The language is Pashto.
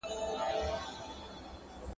دا سکتور اغیزمنې پایلې لري.